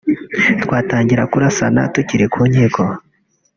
twatangira kurasana tukiri ku nkiko